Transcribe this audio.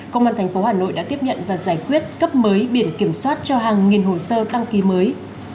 công an tp hà nội đã tiếp nhận và giải quyết cấp mới biển kiểm soát cho hàng nghìn hồ sơ đăng ký mới